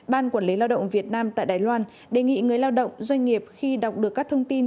ban quản lý lao động việt nam tại đài loan đề nghị người lao động doanh nghiệp khi đọc được các thông tin